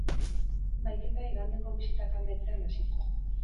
Bahiketa igandeko bisitak amaitzean hasi zen.